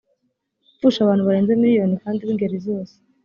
gupfusha abantu barenze miliyoni kandi b ingeri zose